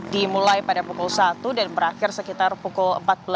dimulai pada pukul satu dan berakhir sekitar pukul empat belas